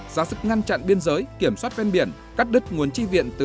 giá sức ngăn chặn biên giới kiểm soát ven biển